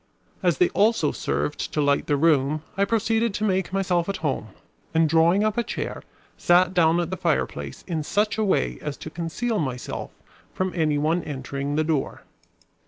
As they also served to light the room I proceeded to make myself at home; and drawing up a chair, sat down at the fireplace in such a way as to conceal myself from any one entering the door.